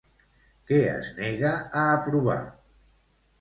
Què es nega a aprovar?